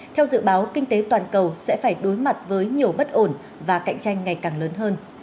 theo dự báo kinh tế toàn cầu sẽ phải đối mặt với nhiều bất ổn và cạnh tranh ngày càng lớn hơn